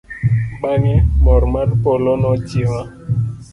Bang'e, mor mar polo nochiewa.